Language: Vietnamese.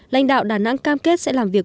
lãnh đạo đà nẵng cam kết sẽ làm việc